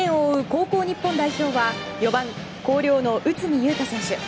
高校日本代表は４番、広陵の内海優太選手。